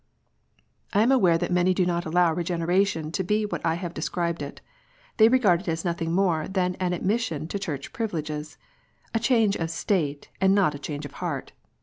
I am aware that many do not allow " Regeneration " to be what I have here described it. They regard it as nothing more than an admission to Church privileges, a change of state, and not a change of heart.